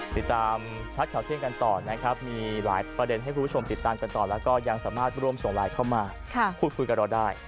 ติดตามชัดข่าวเที่ยงกันต่อนะครับมีหลายประเด็นให้คุณผู้ชมติดตามกันต่อแล้วก็ยังสามารถร่วมส่งไลน์เข้ามาพูดคุยกับเราได้